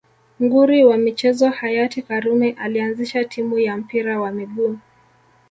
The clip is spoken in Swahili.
Nguri wa michezo hayati karume alianzisha timu ya mpira wa miguu